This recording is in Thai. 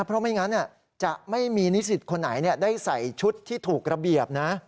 เพราะไม่งั้นจะไม่มีนิสิตคนไหนได้ใส่ชุดที่ถูกระเบียบนะ